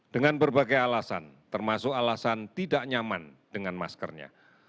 dengan berbagai alasan termasuk alasan tidak nyaman dengan maskernya